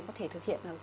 có thể thực hiện